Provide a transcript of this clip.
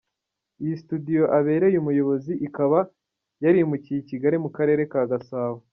Iyi studio abereye umuyobozi ikaba yarimukiye i Kigali mu Karere ka Gasabo.